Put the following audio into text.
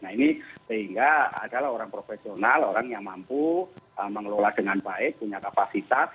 nah ini sehingga adalah orang profesional orang yang mampu mengelola dengan baik punya kapasitas